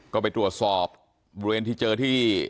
ก็ไปตรวจสอบบริเวณที่เจอที่